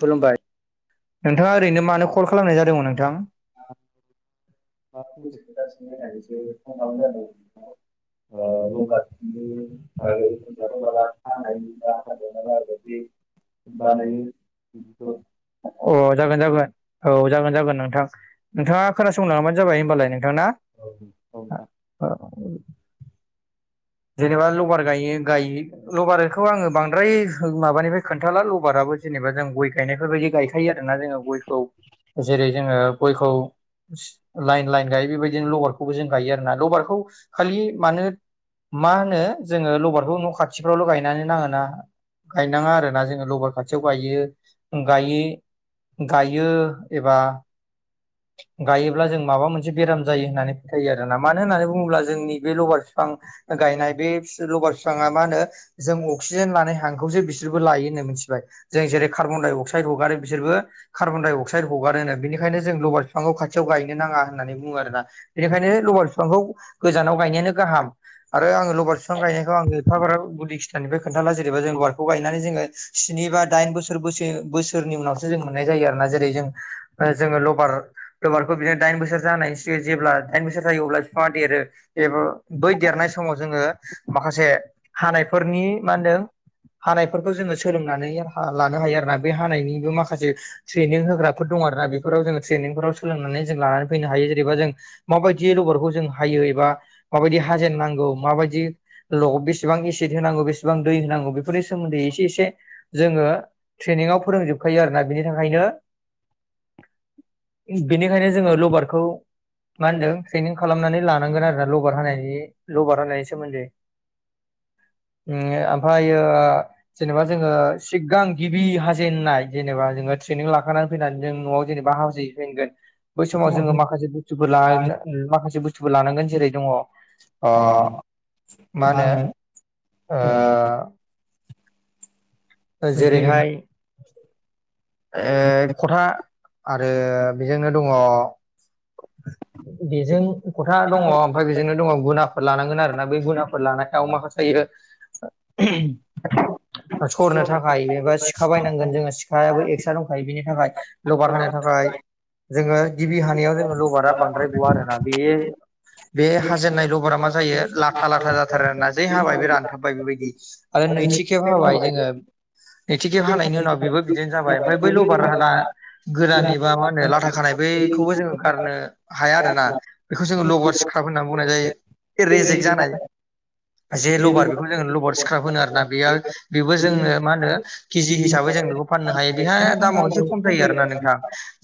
खुलुमबाय नोंथाङा ओरैनो मानो कल खालामनाय जादोंमोन नोंथां [inaudible] फंसे माबा फंसे खोथा सोंनो लबारनि होननानैसो बागै कल जेनेबा लबारा खालामनाय जादोंमोन आथाब नोंथांखौ [unintelligible] बानायो अ बिदिखौ जागोन जागोन औ जागोन जागोन नोंथां नोंथाङा खोनासंलाङोबानो जाबाय होमबालाय नों- थां ना औ नोंथां जेनेबा लबार गायो गायो लबारखौ आङो बांद्राय माबानिफ्राय खोन्थाला लबाराबो जेनेबा जों गय गायनायफोरबायदि गायखायो आरोना जोङो गयखौ जेरै जोङो गयखौ लाइन लाइन गायो बेबायदिनो लबारखौबो जों गायो आरोना। लबारखौ खालि मानो मा होनो जोङो लबारखौ न' खाथिफ्रावल' गायनानै नाङोना गायनाङा आरो ना जोङो लबार खाथियाव गायो गायै गायो एबा गायोब्ला जों माबा मोनसे बेराम जायो होननानै फोथायो आरोना। मानो होननानै बुङोब्ला जोंनि बे लबार फि फां गायनाय बे फि लबार बिफाङा मा होनो जों अक्सिजेन लानाय हांखौसो बिसोरबो लायोनो। मिनथिबाय? जों जेरै कार्बन डाइ अक्साइद खौ हगारो बिसोरबो कार्बन डाइ अक्साइड हगारो नो। बिनिखायनो जों लबार फांखौ खाथियाव गायनो नाङा होननानै बुङो आरोना। बिनिखायनो लबार बिफांखौ गोजानाव गायनायानो गाहाम। आरो आङो लबार बिफां गायनायखौ आङो एफाग्राब गुदि खिथानिफ्राय खोनथाला। जेनेबा जों लबारखौ गायनानै जोङो स्नि बा दाइन बोसोर बोसो बोसोरनि उनावसो जों मोननाय जायो आरोना जेरै जों ओ जोङो लबार लबारखौ बिदिनो दाइन बोसोर जानायनि सिग जेब्ला दाइन बोसोर जायो अब्ला बिफाङा देरो। एबो बै देर नाय समाव जोङो माखासे हानायफोरनि मा होनदों हानायफोरखौ जोङो सोलोंनानै हा लानो हायो आरो ना। बे हानायनिबो माखासे ट्रेनिं होग्राफोर दङ आरो ना। बेफोराव जों ट्रेनिंफोराव सोलोंनानै जों लानानै फैनो हायो। जेरैबा जों माबायदियै लबारखौ जों हायो एबा माबायदि हाजेननांगौ माबाय दि ल बेसबां इसिद होनांगौ बेसेबां दै होनांगौ बेफोरनि सोमोन्दै एसे एसे जोङो ट्रेनिङाव फोरोंजोबखायो आरोना। बिनि थाखायनो बिनिखायनो जोङो लबारखौ मा होनदों ट्रेनिं खालामनानै लानांगोन आरोना लबार हानायनि लबार हानायनि सोमोन्दै। [inaudible] उम आमफाय ओ जेनेबा जोङो सिगां गिबि हाजेननाय जेनेबा जोङो ट्रेनिं लाखानानै फैनानै जों न'आव जेनेबा हाजै हैफेनगोन बै समाव जोङो माखासे बुस्थुफोर जोंहा लां माखासे बुस्थुफोर लानांगोन। जेरै दङ अ ओ मा होनो ओ ओ जेरैहाय ए खथा आरो बेजोंनो दं ङ बेजों खथा दङ जेरैहाय ओमफाय बेजोंनो दङ गुनाफोर लानांगोन आरो ना। बै गुनाफोर लानायाव माखासेयो [unintelligible] सरनो थाखाय एबा सिखा बायनांगोन जोङो सिखायाबो एक्सट्रा दंखायो बिनि थाखाय लगार होनो थाखाय। [inaudible] ओ गिबि हानियाव जोङो लबारा बांद्राय गवा आरोना। बेयो बे हाजेननाय लबारा मा जायो लाथा लाथा जाथारो आरो ना जै हाबाय बे रानथाबबाय बेबायदि आरो नैथि खेब हाबाय जोङो नैथि खेब हानायनि उनाव बेबो बिदिनो जाबाय। ओमफाय बै लबार हाना गोरान एबा मा होनो लाथा खानाय बैखौबो जोङो गारनो हाया आरोना बेखौ जोङो लबार सिख्राब होननानै बुंनाय जायो। नै रेजेक घन्टा जानाय जे एबा लबार बेखौ जों थाम लबार सिख्राब होनो आरोना। बेयो बेबो जोंनो मानो केजि हिसाबै जों बेखौ फाननो हायो। बेहाय दामाव एसे खम जायो आरना नोंथां।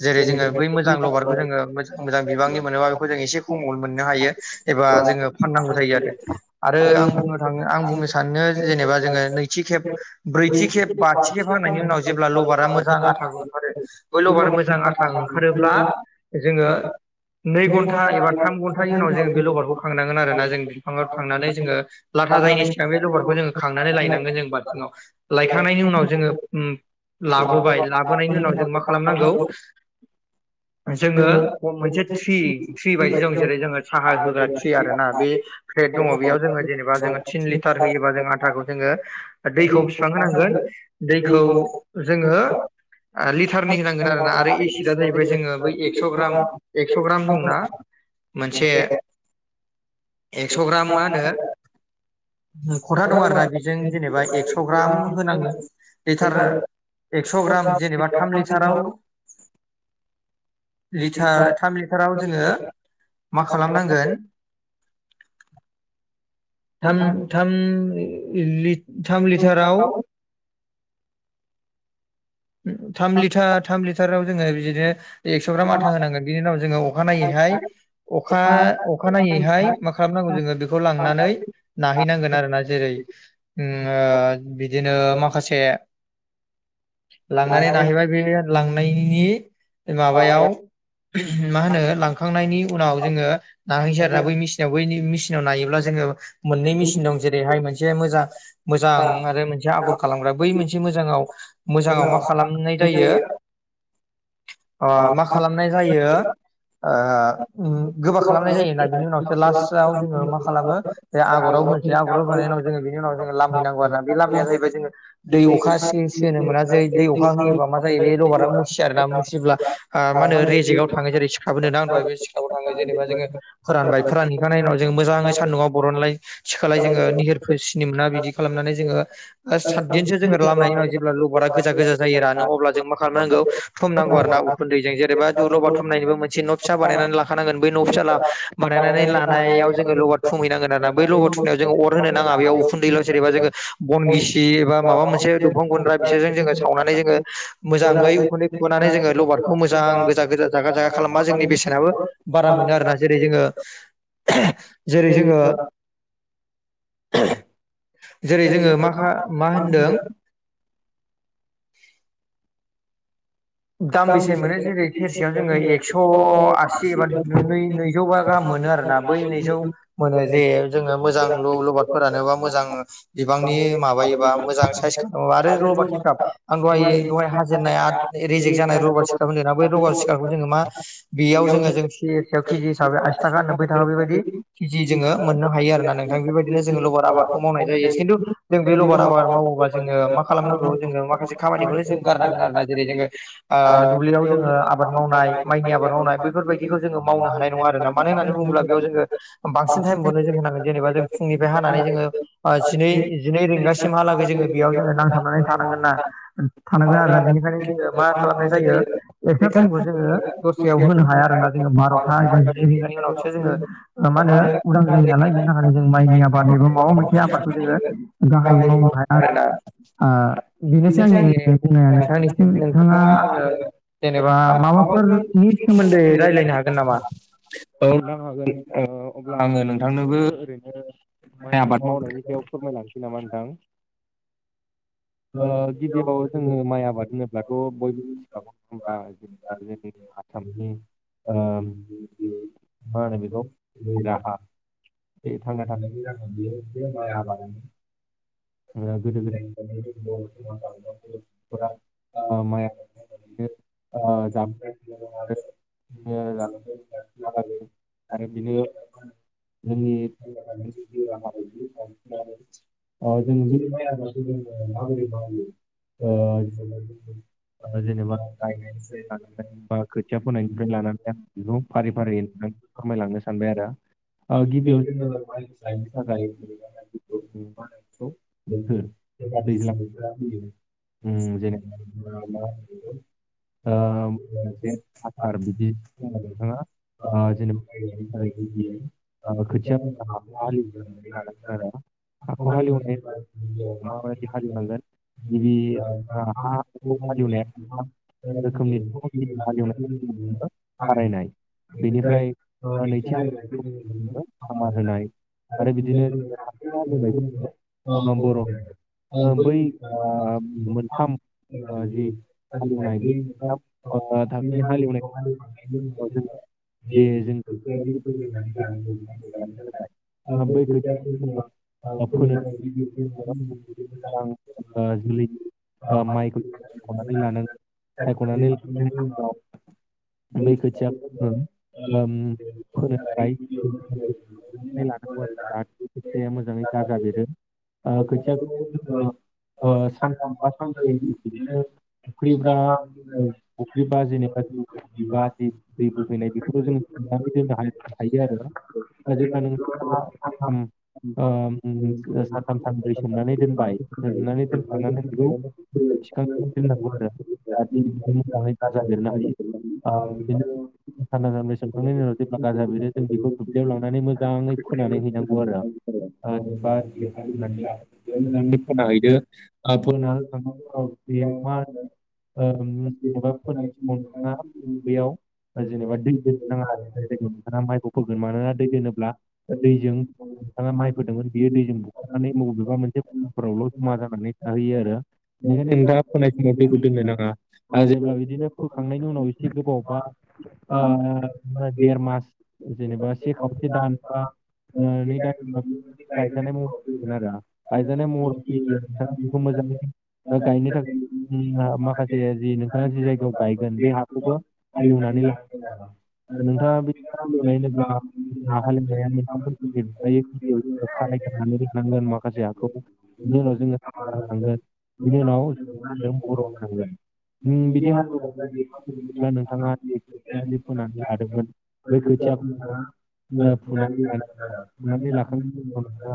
जेरै जोङो बै मोजां लबारखौ जोङो मोजां मोजां बिबांनि मोनोबा बेखौ जों एसे खमाव मोननो हायो एबा बा जोङो फाननांगौ जायो आरो। आरो आं बुंनो थाङो आं बुंनो सानो जेनेबा जोङो नैथि खेब, ब्रैथि खेब बाथि खेब हांनायनि उनाव जेब्ला लबारा मो जां आथाबो ओंखारो। बै लबार मोजां आथा ओंखारोब्ला जोङो नै घन्टा एबा थाम घन्टानि उनाव जोङो बे लबारखौ खांनांगोन आरो। ना जों बिफाङाव थांनानै जोङो लायखांनायनि लाथा जायैनि सिगां बे लबारखौ जोङो खांनानै लायनांगोन जों बालथिङाव। लायखांनायनि उनाव जोङो उम लाबोबाय। लाबोनायनि उनाव जों मा खालामनांगौ? जोङो मोनसे थ्रि थ्रि बायदि दं जेरै जोङो साहा होग्रा थ्रि आरो ना बे फ्रेड दङ बेयाव जोङो जेनेबा जोङो थिन लिटार होयोबा जों आथाखौ जोङो दैखौ बि बां होनांगोन दैखौ जोङ लिटारनै होनांगोन आरोना आरो [unintelligible] जाहैबाय जोङो बै एकसग्राम एकसग्राम दङना मोनसे एक्स' ग्राम मा होनो खथा दं आरो दा बेजों जेनेबा एक्स' सग्राम होनांगोन लिथार दं एक्स' ग्राम जेनेबा थाम लिटाराव लिटार थाम लिटाराव जोङो मा खालामनांगोन थाम थाम लि थाम लि [unintelligible] थाम लिटार थाम लिटाराव जोङो बिदिनो एक्स' ग्राम आथा होनांगोन बिनि उनाव जोङो अखानायैहाय अखा अखानायनायैहाय मा खालामनांगौ जोङो बेखौ लांनानै नाहैनांगोन आरोना जेरै ओ बिदि बिदिनो माखासे लांनानै नाहैबाय बे लांनायनि माबायाव मा होनो लांखांनायनि उनाव जोङो नाहैनोसै आरो ना बै मिसिनाव बैनि मेसिनाव नायोब्ला जोङो मोननै मेसिन दं जेरैहाय मोनसे मोजां मोजां मोनसे आगर खालामग्रा बै मोनसे मोजाङाव मोजाङाव मा खालामनाय जायो अ मा खालामनाय जायो ओ गोबा खालामनाय जायोना बिनि उनावसो लास्टआव जोङो मा खालामो जे आगराव होनसै आगराव होखांनायनि उाव जोङो बिनि उनाव जोङोलामहैनांगौ आरोना बे लामनाया जाहैबाय जोङो दै अखा सि सोनो मोना जै दै अखा होयोबा मा जायो बे रबारा मुसिया आरो ना मुसिब्ला आ मा होनो रेजेकाव थाङो जेरै सा नोंथां दहाय बे सिखाबाव थाङो जेनेबा जोङो फोरानबाय फोरानहैखांनायनि उनाव जोंङो मोजाङै सान्दुंआव बर'नलाय- खालाय जोङो निहोरफोर सिनो मोना बिदि खालामनानै जोङो ओ सातदिनसो जोङो लामनायनि उनाव जेब्ला लबारा गोजा गोजा जायो रानो अब्ला जों मा खालामनांगौ थुमनांगौ आरो ना उखुन्दैजों जेनेबा दु ल'बार थुमनायनायनिबो मोनसे न' फिसा बानायनानै लाखानांगोन बै न' फिसा बानायनानै लानायाव जोङो लबाद थुमहैनांगोन आरोना माबा बै लबर थुमनायाव जोङो अर होनो नाङा बेयाव उखुन्दैल' जेनेबा जोङो बन गिसि एबा माबा मोनसे दंफां गुन्द्रा बिसोरजों जोङो मोनसे सावनानै जोङो मोजाङै उखुन्दै खुगा- रनानै सायख'नानै जोङो मोनसे लबारखौ बाथौ मोजां दा गोजा गोजा जागा जागा खालामबा जोंनि खालामनानै बेसेनाबो गोसोआव बारा मोनो खालामनो आरोना आरो जेरै जोङो जेरै जोङो जेरै जोङो मा मा होनदों [inaudible] दाम बेसे गांबेसे मोनो जेरै बे थेरसेयाव जोङो एक्स' गांसेयाव आसि एबा नैजौबा गाहाम मोनो आरोना बै नैजौ मोनो जे जोङो मोजां लबादफोरानो बा मोजां बिबांनि माबायोबा मोजां साइस खालामोबा आरो लबारफोरा आं दहाय जोङो दाहाय एकस' हाजेननाय आ नै रेजेग जानाय रबार स्काब होनदोंना बै रबारखौ जोङो मा बेयाव जोङो आसि सेरसेयाव केजि दुब्लियाव हिसाबै आसि थाखा थाखा नोबै बेबायदि केजि जोङो मोननो हायो आरो ना नोंथां बेबायदिनो जोङो लबर आबादखौ मावनाय जायो खिन्थु जों बे लबर आबाद मावोबा जोङो मा खालामनांगौ जोङो माखासे खामानिखौनो जों गारनांगोन आरोना जेरै जोङो ओ दुब्लियाव जोङो आबाद मावनाय माइनि आबाद मावनाय बैफोरबायदिखौ जोङो मावनो हानाय नङा आरोना मानोना होननानै बुङोब्ला बेयाव जोङो बांसिन टाइमखौनो जों होनांगोन जेनेबा जों फुंनिफ्राय हानानै जोङोै बा जिनै जिनै रिंगासिमहालागै जोङो बेयाव जोङो नांथाबनानै थानांगोन ना जोङो थानांगोन आरोना बेनिखायनो जोङो मा खालामनाय जायो एकस्थ्रा टाइमखौ जोङो दस्रायाव होनो हाया आरोना जोङो बार'था एबा जिनै रिंगानि उनाव सो जोङो मा होनो उदां जायो नालाय बिनि थाखायनो जों माइनि आबाद एबा माबा मोनसे आबादखौ जोङो गाहायै आंनि मावनो हाया आरोना ओ बेनोसै आंनि दिनैनि बुंनाया नोंथांनिसिम नोंथाङा आंनो जेनेबा माबाफोर लायरायनो माबाफोरनि हागोन सोमोन्दै नामा औ रायज्लायनो हागोन नामा नोंथां हागोन औ ओ अब्ला आङो नोंथांनोबो ओरैनो माइ आबाद मावनायनि सायाव फोरमायलांसै नामा नोंथां ओ गिबियाव जोङो माइ आबाद होनोब्ला थ' बयबो मिथिखागौ नङाहोमब्ला जेनेबा जोंनि आसामनि ओ बे थांना थानाय [unintelligible] आबाद गोदो [unintelligible] जेराव गोदायफोरा ओ माइ आबादखौ आबादखौनो जाबोदों मावनानैनो आरो बेनो जोंनि ओ जों बे [unintelligible] [unintelligible] [unintelligible] ओ माबोरै मावो ओ ओ जेनेबा गायनायनिफ्राय लानानै बा खोथिया फोनायनिफ्राय लानानै आं बेखौ फारि फारियैनो फोरमायलांनो सानबाय आरो ओ गिबियाव नि थाखाय [unintelligible] [unintelligible] दैज्लां उम जेनेबा [unintelligible] बे आसार बिदि जोङो नोंथाङा ओ [unintelligible] जेनेबा हानि थाखाय गिबि ओ खोथिया हालेवग्रोनानै लानांगोन आरो [unintelligible] हाखौ [unintelligible] हालेवनाय गोबां माबायदि रोखोमनि हालेवनांगोन नौ गिबि लाबायखौ ओ हाखौ जों हालेवनाया मोनथाम नो [unintelligible] रोखोमनि दङ। गिबि बेनिफ्रायस हालेवनायखौ जोङो नैथि बुङो हालेवनायखौ खारायनाय जों बेनिफ्राय ओ नुनो नैथि मोनो सामार होनाय आरो [unintelligible] थि हालेवनायखौ बुङो ओ बै ओ ओ मोनथाम एबा ओ जि हालेवनाय बे मोनथाम ओ थाखोनि हालेवनाय जे जों [unintelligible] [unintelligible] बै खोथिया फोनो थाखाय जोङो [unintelligible] मोजां ओ जोलैनि माइखौ सायख'नानै लानांगोन सायख'नानै लानायनि उनाव बे खोथियाखौ जों ओ उम फोनो थाखायनानै लानांगौ आरो जाहाथे खोथियाया मोजाङै गाजा बेरो ओ खोथिया ओ सानथाम बा सानब्रै [unintelligible] फुख्रिब्रा फुख्रिबा जेनेबा दै बोहैनाय बेफोराव जोङो सोमनानै दोननो हायो आरो जेब्ला नोंथाङा सानथाम ओ उम सानथाम सानब्रै सोमनानै दोनबाय सोमनानै दोनखांनानै बेखौ दैयाव [unintelligible] थिखांनानै दोननांगौ आरो जाहाथे बिदिनो मोजाङै गाजा बेरनो हायो ओ बिदिनो सानथाम सानब्रै सोमखांनायनि उनाव जेब्ला गाजा बेरो जों बेखौ दुब्लियाव लांनानै मोजाङै फोनानै हैनांगौ आरो [unintelligible] [unintelligible] जेनेबा दै दोननो नाङा जे जायगायाव नोंथाङा माइखौ फोगोन मानोना दै दोनोब्ला दैजों नोंथाङा माइ फोदोंमोन बियो दैजों बुखारनानै मबेबा मोनसे खनाफोरावल' जमा जानानै थाहैयो आरो बेनिखायनो नोंथाङा फोनाय समाव दैखौ दोननो नाङा आरो जेब्ला बिदिनो फोखांनायनि उनाव एसे गोबाव बा ओ देर मास जेनेबा से खावसे दान बा ओ नै दाननि उनाव बेयो मोनसे गायजानाय महराव फैसिगोन आरो गायजानाय महर फैयोब्ला नोंथाङा बेखौ मोजाङै ओ गायनो थाखाय माखासे जि नोंथाङा जि जायगायाव गायगोन बे हाखौबो फोमोन [unintelligible] खाराय गोरनानै लानांगोन माखासे हाखौ बिनि उनाव जोङो सामार होनांगोन बिनि उनाव होनदों बर' होनांगोन बिदि हालेवब्ला नोंथाङा खोथिया जे फोनानै लादोंमोन बै खोथिया खौ नोंथाङा गिबियाव फुनानै लानानै लाग्रोनांगोन आरो फुनानै बुथुमनानै लाखांनायनि उनाव नोंथाङा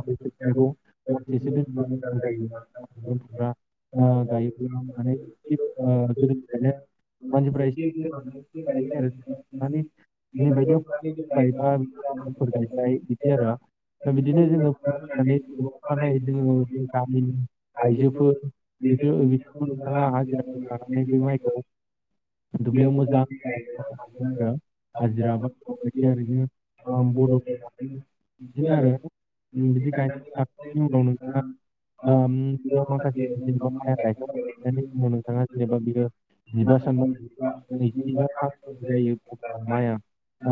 बे खोथियाखौ हरसेसो दोनोब्ला मोजां जायो हाग्रा फुग्रा ओ गायोब्ला माने एसे, ओ गोदोनिफ्रायनो मानसिफ्रा एसे थायो आरो खोथियाखौ माने [unintelligible] [unintelligible] [unintelligible] दिनै बायदियाव फुबाय बा [unintelligible] फोर गायबाय बिदि आरो दा बिनि बिदिनो जोङो फुनानै अखानायै अखानायै जोङो गामिनि जोङो आइजोफोर बिदि बिसोरखौ नोंथाङा लायजौफोर हाजिराफोर लानानै बे माइखौ [unintelligible] दुब्लियाव मोजां गायखांनांगोन आरो [unintelligible] बामबु द बिदिनो आरो उम बिदि गायनानै ला गायखांनायनि बेयाव माखासे जेनेबा उनावहाय माइ गायखांबाय जोबनानै उनाव नोंथाङा जेनेबा बियो जिबा सान आबादथिलियावहाय नैजि बा थामजि माखासे जायो अब्ला माइआ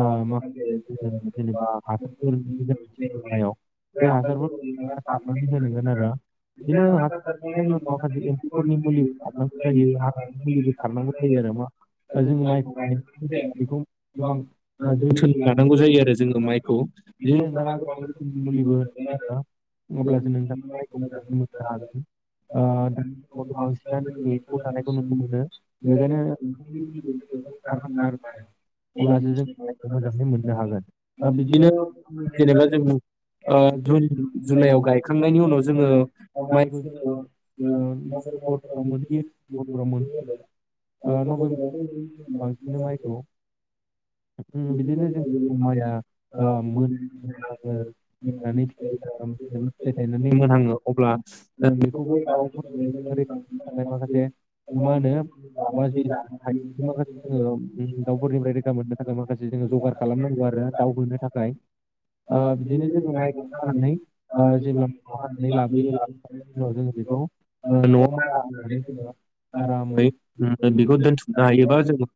ओ माखासे जोङो जेनेबा [unintelligible] हासारफोरनि गोनांथि जायो माइआव [unintelligible] बै हासारफोरखौ [unintelligible] सारनानै होनांगोन [unintelligible] आरो बिदिनो जों हासार सारनायनि उनाव माइखौ माखासे एम्फौफोरनि मुलिबो गायोब्लाल' सारनांगौ जायो जाया हाग्रानि मुलिबो सारनांगौ जायो बेखौ आरो मा जोङो गाव माइखौ गायनानै जाया, मोजाङै बेखौ गोबां जोथोन ओ जोथोन लानांगौ जायो आरो जोङो माइखौ बिदिनो नोंथाङा गोबां रोखोमनि मुलिबो मोनो होनांगोन आरो [unintelligible] अब्लासो नोंथाङा माइखौ मोजाङै मोननो हागोन ओ दानि समावथ' जुगावथ' बांसिनानो जों एम्फौ जानायखौ नुनो मोनो बेखायनो खारनांगोन आरो बांसिनानो [unintelligible] अब्लासो जों फिथाइखौ मोजाङै मोननो हागोन ओ बिदिनो जेनेबा जों [unintelligible] ओ जुन जुलाइयाव गायखांनायनि उनाव जोङो माइखौ हरफोराव मोनहैयो हरफोराव मोनहैयो [unintelligible] ओ नभेम्बर बांसिनो माइखौ [unintelligible] [unintelligible] बिदिनो जों माइया ओ [unintelligible] ज फिथायनानै मोनहाङो अब्ला बेखौबो दाउफोरखौ रैखाथि थाखाय माखासे [unintelligible] मा होनो दाबाायो माखासेङो दाउफोरनिफ्राय रैखा मोननो थाखाय माखासे जों जगार खालामनांगौ आरो दावउ होनो थाखाय बिदिनो जोङो माइखौ जानानै जेब्ला मानानै लाबोयो ला उाव जोो बेखौ न'आव माथा होनानै जोङो आरामै बेखौ दोनथुमनो हायो। बा जो